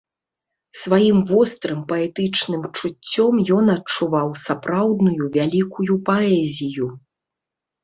Сваім вострым паэтычным чуццём ён адчуваў сапраўдную вялікую паэзію.